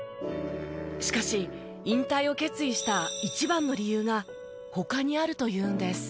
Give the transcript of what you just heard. しかし引退を決意した一番の理由が他にあるというんです。